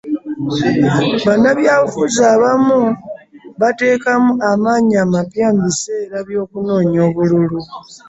Bannabyabufuzi abamu bateekamu amaanyi amapya mu biseera by'okunoonya obululu.